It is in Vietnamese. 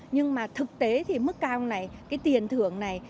nhưng mà thực tế thì mức cao này cái tiền thưởng này